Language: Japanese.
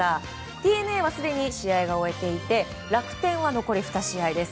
ＤｅＮＡはすでに試合を終えていて楽天は残り２試合です。